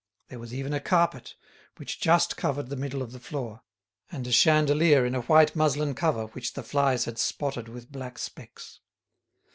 There was even a carpet, which just covered the middle of the floor, and a chandelier in a white muslin cover which the flies had spotted with black specks.